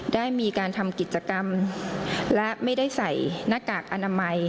ได้มีการทำกิจกรรมและไม่ได้ใส่หน้ากากอนามัย